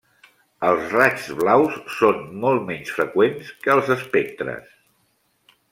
Els raigs blaus són molt menys freqüents que els espectres.